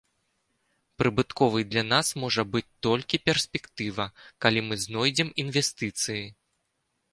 Прыбытковай для нас можа быць толькі перспектыва, калі мы знойдзем інвестыцыі.